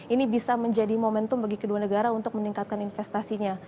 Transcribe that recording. ini bisa menjadi momentum bagi kedua negara untuk meningkatkan investasinya